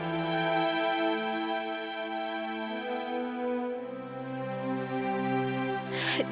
aku akan bantu